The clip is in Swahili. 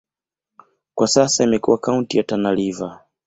Kwa sasa imekuwa kaunti ya Tana River.